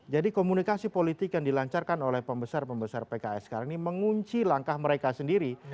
jadi komunikasi politik yang dilancarkan oleh pembesar pembesar pks sekarang ini mengunci langkah mereka sendiri